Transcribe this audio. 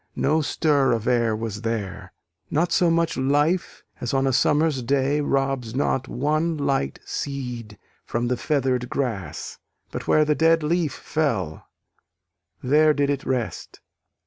No stir of air was there, Not so much life as on a summer's day Robs not one light seed from the feather'd grass, But where the dead leaf fell, there did it rest.